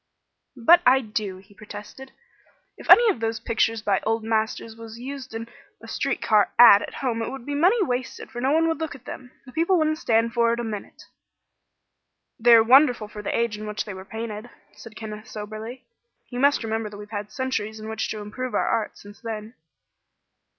"But I do," he protested. "If any of those pictures by old masters was used in a street car 'ad' at home it would be money wasted, for no one would look at them. The people wouldn't stand for it a minute." "They are wonderful for the age in which they were painted," said Kenneth, soberly. "You must remember that we have had centuries in which to improve our art, since then."